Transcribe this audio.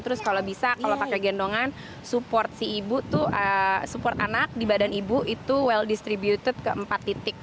terus kalau bisa kalau pakai gendongan support si ibu tuh support anak di badan ibu itu well distributed ke empat titik